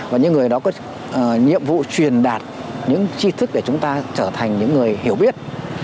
và những người đó có nhiệm vụ truyền đạt những chi thức để chúng ta trở thành những người hiểu biết